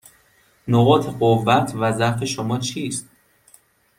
نقاط قوت و ضعف شما چیست؟